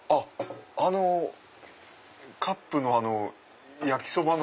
あのカップの焼きそばの。